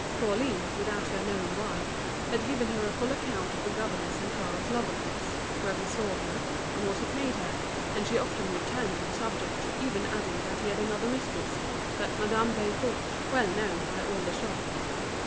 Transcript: Pauline, without her knowing why, had given her a full account of the governor's and Clara's love affairs: where he saw her, and what he paid her; and she often returned to the subject, even adding that he had another mistress, that Madame Desforges, well known by all the shop.